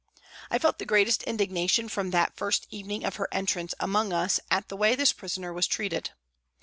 I felt the greatest indignation from that first evening of her entrance among us at the way this prisoner was treated.